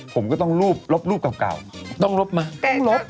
ผมก็ต้องรูปลบรูปเก่าต้องลบไหมต้องลบ